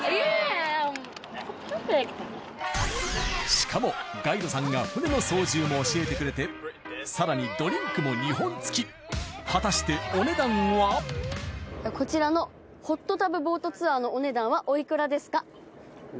しかもガイドさんが船の操縦も教えてくれてさらにドリンクも２本付き果たしてこちらのホットタブボートツアーのお値段はお幾らですか？